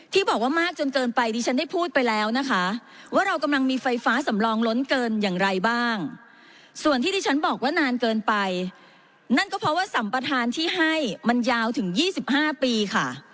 ที่บอกว่ามากจนเกินไปดิฉันได้พูดไปแล้วนะคะว่าเรากำลังมีไฟฟ้าสำรองล้นเกินอย่างไรบ้างส่วนที่ที่ฉันบอกว่านานเกินไปนั่นก็เพราะว่าสัมประธานที่ให้มันยาวถึง๒๕ปีค่ะ